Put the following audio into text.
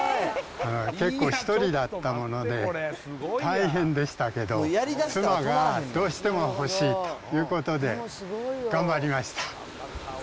結構一人だったもので、大変でしたけど、妻がどうしても欲しいということで、頑張りました。